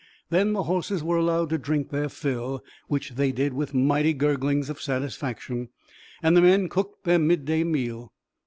Then the horses were allowed to drink their fill, which they did with mighty gurglings of satisfaction, and the men cooked their midday meal.